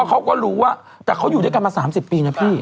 เขาก็รู้ว่าแต่เขาอยู่ด้วยกันมา๓๐ปีนะพี่